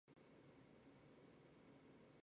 隼形目的鸟多在高树或悬崖上营巢。